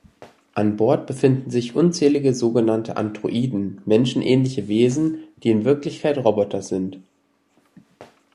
An Bord befinden sich unzählige sogenannte Androiden, menschenähnliche Wesen, die in Wirklichkeit Roboter sind.